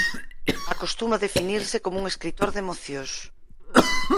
Acostuma definirse como un escritor de emocións.